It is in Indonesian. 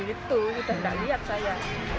itu udah nggak lihat saya